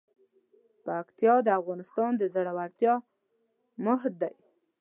پکتیا د افغانستان د زړورتیا مهد دی.